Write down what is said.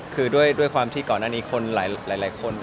คือด้วยความที่ก่อนหน้านี้คนหลายคน